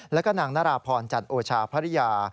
และก็นางนารพรจันทร์โอชาพระริยา